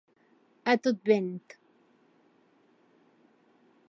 A tot vent.